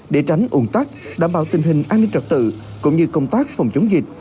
để tránh ồn tắc đảm bảo tình hình an ninh trật tự cũng như công tác phòng chống dịch